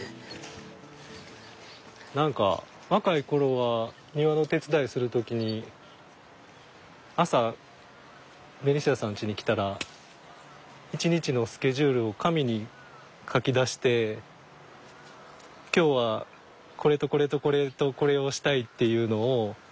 何か若い頃は庭の手伝いする時に朝ベニシアさんちに来たら一日のスケジュールを紙に書き出して今日はこれとこれとこれとこれをしたいっていうのを。